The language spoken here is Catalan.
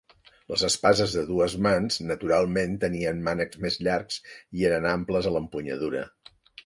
Les espases de dues mans naturalment tenien mànecs més llargs i eren amples a l'empunyadura.